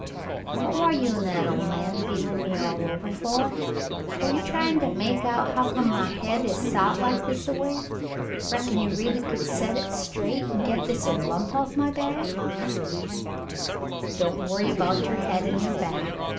"What war you an' that old man feelin' me all ovah for ? War you tryin' to make out hu' come my hade is sot like this a way .^ Reckon you r'aly could set hit straight an' get this 'er lump off'n my back V "Don't worry about your head and your back.